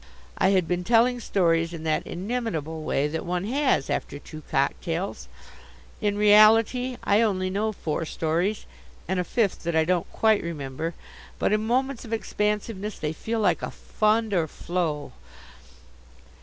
I had been telling stories in that inimitable way that one has after two cocktails. In reality, I only know four stories, and a fifth that I don't quite remember, but in moments of expansiveness they feel like a fund or flow.